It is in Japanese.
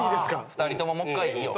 ２人とももう１回いいよ。